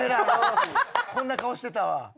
こんな顔してたわ。